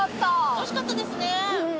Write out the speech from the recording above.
おいしかったですね。